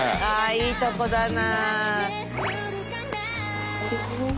いいとこだな。